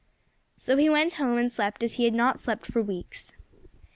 So he went home and slept as he had not slept for weeks.